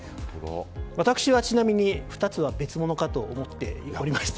私は、ちなみに２つは別物かと思っておりました。